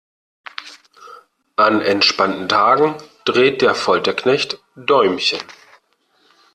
An entspannten Tagen dreht der Folterknecht Däumchen.